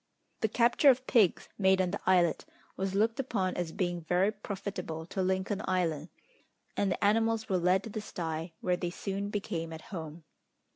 The capture of pigs, made on the islet, was looked upon as being very profitable to Lincoln Island, and the animals were led to the sty, where they soon became at home.